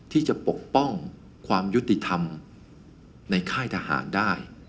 ปกป้องความยุติธรรมในค่ายทหารได้